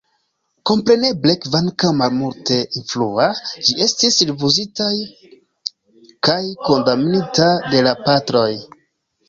Kompreneble, kvankam malmulte influa, ĝi estis rifuzita kaj kondamnita de la Patroj.